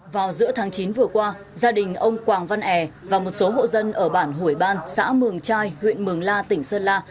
vào giữa tháng chín vừa qua gia đình ông quảng văn e và một số hộ dân ở bản hủy ban xã mường trai huyện mường la tỉnh sơn la